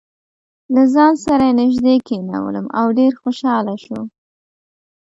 له ځان سره یې نژدې کېنولم او ډېر خوشاله شو.